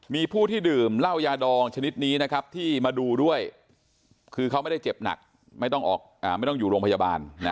มีผู้ที่ดื่มเหล้ายาดองชนิดนี้นะครับที่มาดูด้วยคือเขาไม่ได้เจ็บหนักไม่ต้องอยู่โรงพยาบาล